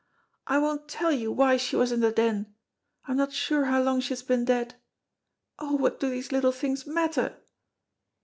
I won't tell you why she was in the Den. I am not sure how long she has been dead. Oh, what do these little things matter?"